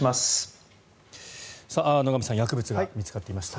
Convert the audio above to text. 野上さん薬物が見つかっていました。